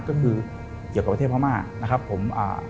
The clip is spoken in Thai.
ก็คือเกี่ยวกับประเทศพม่านะครับผม